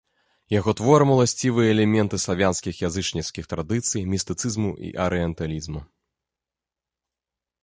Яго творам уласцівыя элементы славянскіх язычніцкіх традыцый, містыцызму і арыенталізму.